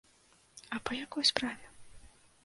А па якой справе?